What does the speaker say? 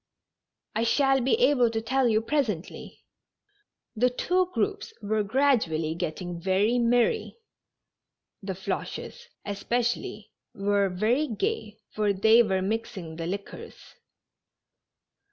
I shall be able to tell you presently." The two groups were gradually getting very merry. The Floches, especially, were very gay. For they were mixing the liquors.